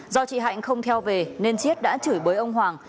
do chị hạnh không theo về nên chiết đã chửi bới ông hoàng